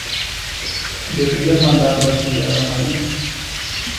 Deberías mandarlo a estudiar a Madrid.